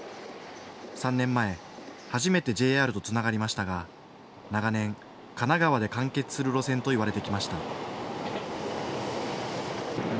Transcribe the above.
３年前、初めてＪＲとつながりましたが長年、神奈川で完結する路線と言われてきました。